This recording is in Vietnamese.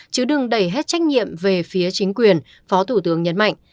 chứ đừng đẩy hết trách nhiệm về phía chính quyền phó thủ tướng nhấn mạnh